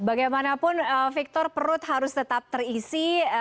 bagaimanapun victor perut harus tetap terisi